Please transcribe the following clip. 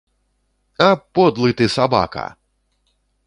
А, подлы ты, сабака!